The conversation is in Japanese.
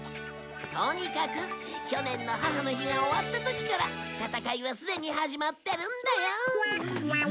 とにかく去年の母の日が終わった時から戦いはすでに始まってるんだよ。